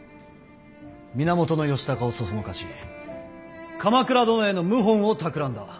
源義高を唆し鎌倉殿への謀反をたくらんだ。